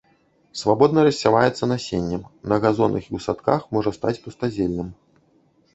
Свабодна рассяваецца насеннем, на газонах і ў садках можа стаць пустазеллем.